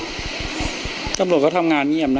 ถ้าใครอยากรู้ว่าลุงพลมีโปรแกรมทำอะไรที่ไหนยังไง